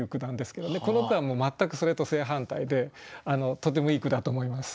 この句は全くそれと正反対でとてもいい句だと思います。